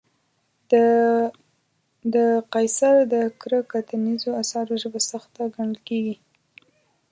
د قیصر د کره کتنیزو اثارو ژبه سخته ګڼل کېږي.